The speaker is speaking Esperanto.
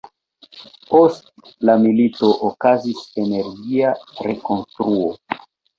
Post la milito okazis energia rekonstruo.